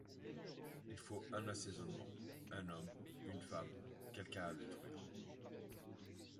Il faut un assaisonnement, un homme, une femme, quelqu’un à détruire.